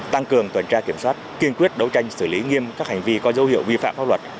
tăng cường tuần tra kiểm soát kiên quyết đấu tranh xử lý nghiêm các hành vi có dấu hiệu vi phạm pháp luật